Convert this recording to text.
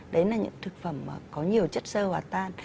đấy là những thực phẩm mà có nhiều chất sơ hoạt tan